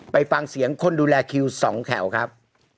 ไปฟังเสียงคนดูแลคิว๒แถวครับ